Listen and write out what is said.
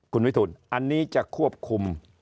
คุณวิทูลอันนี้จะควบคุม